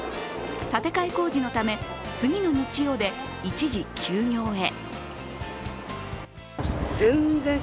建て替え工事のため、次の日曜で一時休業へ。